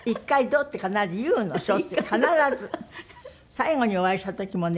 最後にお会いした時もね